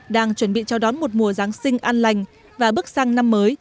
đang chuẩn bị cho đón một mùa giáng sinh an lành và bước sang năm mới